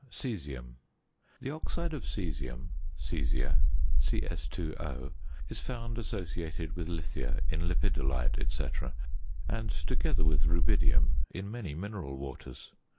CAESIUM. The oxide of caesium, caesia (Cs_O), is found associated with lithia in lepidolite, &c., and, together with rubidium, in many mineral waters.